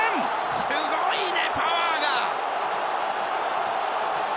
すごいね、パワーが！